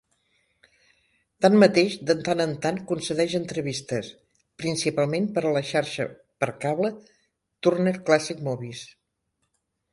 Tanmateix, de tant en tant concedeix entrevistes, principalment per a la xarxa per cable Turner Classic Movies.